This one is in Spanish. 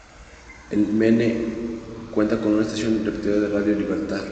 El Mene cuenta con una estación repetidora de Radio Libertad.